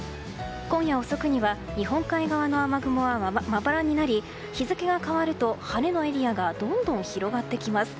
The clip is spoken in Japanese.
今夜遅くには日本海側の雨雲はまばらになり日付が変わると晴れのエリアがどんどん広がってきます。